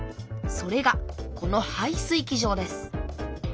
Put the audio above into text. それがこの排水機場です